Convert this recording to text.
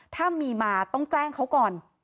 ถ้ามีมาต้องแจ้งเขาก่อน